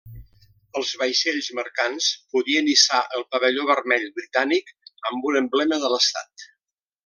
Els vaixells mercants podien hissar el pavelló vermell britànic amb un emblema de l'estat.